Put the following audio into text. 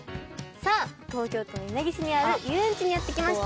さあ東京都稲城市にある遊園地にやって来ました。